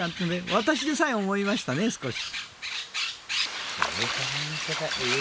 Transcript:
私でさえ思いましたね、少し。